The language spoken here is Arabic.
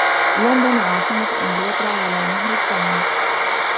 لندن, عاصمة إنجلترا, علي نهر التيمز.